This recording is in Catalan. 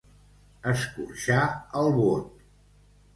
Escorxar el bot.